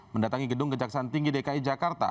mendatangi gedung kejaksaan tinggi dki jakarta